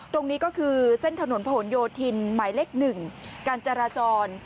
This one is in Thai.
ตรงนี้ก็คือเส้นถนนผนโยธินหมายเลข๑การจราจร